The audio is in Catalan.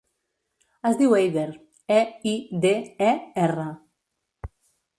Es diu Eider: e, i, de, e, erra.